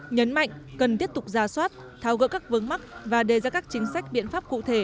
nhấn mạnh cần tiếp tục ra soát tháo gỡ các vấn mắc và đề ra các chính sách biện pháp cụ thể